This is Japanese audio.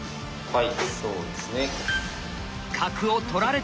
はいそうですね。